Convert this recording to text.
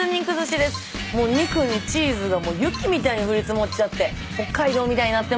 もう肉にチーズが雪みたいに降り積もっちゃって北海道みたいになってます。